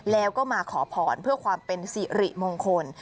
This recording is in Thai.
แล้วก็มาขอพรเพื่อความเป็นสิริมงคล